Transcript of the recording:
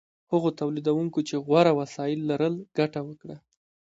هغو تولیدونکو چې غوره وسایل لرل ګټه وکړه.